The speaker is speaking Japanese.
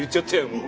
もう。